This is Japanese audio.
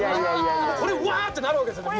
これ「うわ！」ってなるわけですよね？